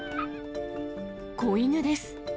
子犬です。